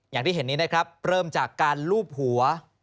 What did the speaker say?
อย่างที่เห็นนี้นะครับเริ่มจากการลูบหัว